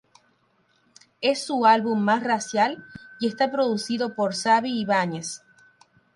Es su álbum más racial y está producido por Xabi Ibáñez.